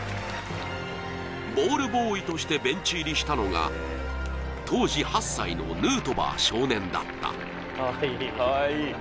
ボールボーイとしてベンチ入りしたのが当時８歳のヌートバー少年だった。